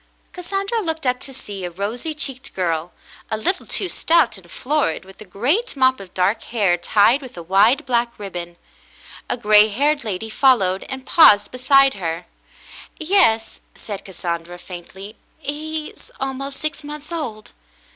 Cassandra looked up to see a rosy cheeked girl, a little too stout and florid, with a great mop of dark hair tied with a wide black ribbon. A gray haired lady followed, and paused beside her. "Yes," said Cassandra, faintly. "He is almost six months old."